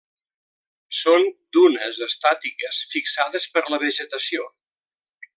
Són dunes estàtiques fixades per la vegetació.